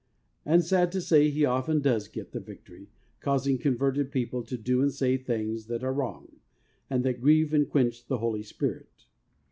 And, sad to say, he often does get the victory, causing converted people to do WHEN CAN WE BE MADE HOLY? 29 and say thing's that are wrong, and that grieve and quench the Holy Spirit.